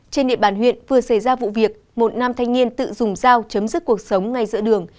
trên địa bàn huyện vừa xảy ra vụ việc một nam thanh niên tự dùng dao chấm dứt cuộc sống ngay giữa đường